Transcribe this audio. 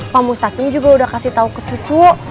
pak mustaki juga udah kasih tau ke cucu